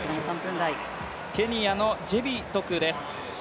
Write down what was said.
ケニアのジェビトクです。